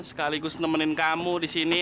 sekaligus nemenin kamu disini